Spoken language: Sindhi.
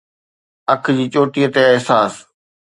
اک جي چوٽي تي احساس